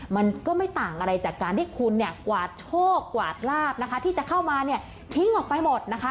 มันก็ไม่ต่างอะไรจากการที่คุณเนี่ยกวาดโชคกวาดลาบนะคะที่จะเข้ามาเนี่ยทิ้งออกไปหมดนะคะ